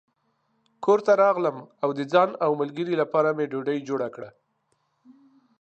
کور ته راغلم او د ځان او ملګري لپاره مې ډوډۍ جوړه کړه.